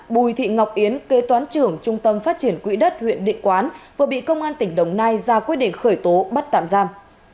bùi thị ngọc yến kế toán trưởng trung tâm phát triển quỹ đất huyện định quán vừa bị công an tỉnh đồng nai ra quyết định khởi tố bắt tạm giam